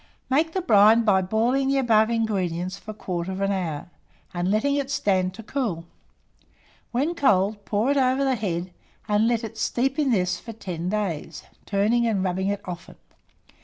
Make the brine by boiling the above ingredients for 1/4 hour, and letting it stand to cool. When cold, pour it over the head, and let it steep in this for 10 days, turning and rubbing it often.